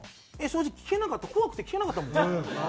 正直聞けなかった怖くて聞けなかったもん。